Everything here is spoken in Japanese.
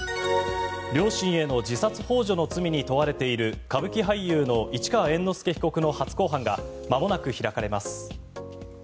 両親への自殺ほう助の罪に問われている歌舞伎俳優の市川猿之助被告の初公判がまもなく開かれます。